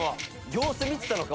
様子見てたのか？